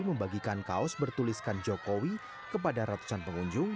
membagikan kaos bertuliskan jokowi kepada ratusan pengunjung